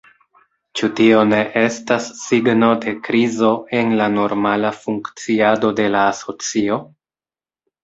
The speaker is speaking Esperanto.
Ĉu tio ne estas signo de krizo en la normala funkciado de la asocio?